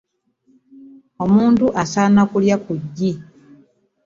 Omuntu asana okulya ku ggi.